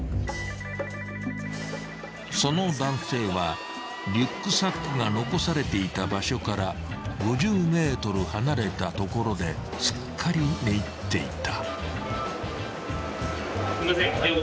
［その男性はリュックサックが残されていた場所から５０ｍ離れた所ですっかり寝入っていた］